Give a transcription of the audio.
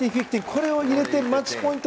これを入れてマッチポイント。